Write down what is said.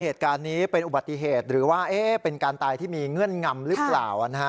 เหตุการณ์นี้เป็นอุบัติเหตุหรือว่าเป็นการตายที่มีเงื่อนงำหรือเปล่า